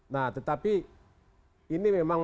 nah tetapi ini memang